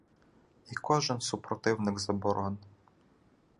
І кожен супротивник, заборон